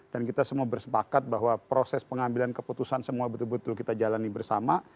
dan kita semua bersepakat bahwa proses pengambilan keputusan semua betul betul kita jalani bersama